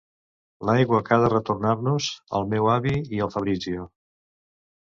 L'aigua que ha de retornar-nos el meu avi i el Fabrizio...